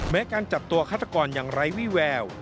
แม้การจัดตัวฆาตกรอย่างไร้วิแวว